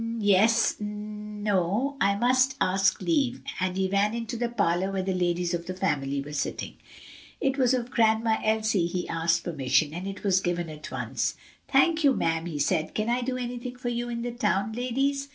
"Yes no; I must ask leave," and he ran into the parlor where the ladies of the family were sitting. It was of Grandma Elsie he asked permission, and it was given at once. "Thank you, ma'am," he said. "Can I do anything for you in the town, ladies?"